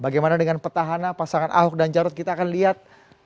bagaimana dengan petahana pasangan ahok dan jarut kita akan lihat